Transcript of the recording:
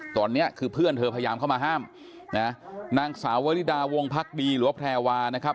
ตอนนี้คือเพื่อนเธอพยายามเข้ามาห้ามนะนางสาววริดาวงพักดีหรือว่าแพรวานะครับ